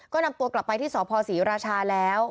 ก็นำตัวกลับไปที่สพศรีราชาแล้ว